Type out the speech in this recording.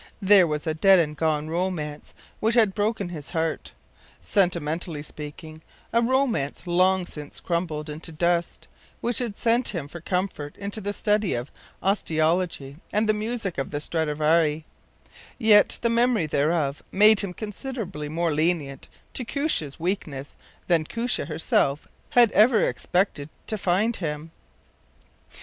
There was a dead and gone romance which had broken his heart, sentimentally speaking a romance long since crumbled into dust, which had sent him for comfort into the study of osteology and the music of the Stradivari; yet the memory thereof made him considerably more lenient to Koosje’s weakness than Koosje herself had ever expected to find him.